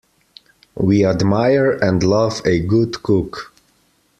We admire and love a good cook.